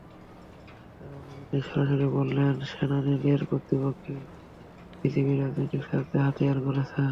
রাহুল গান্ধী সরাসরি বললেন, সেনানীদের কৃতিত্বকে বিজেপি রাজনৈতিক স্বার্থে হাতিয়ার করছে।